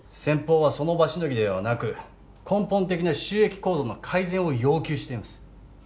先方はその場しのぎではなく根本的な収益構造の改善を要求しています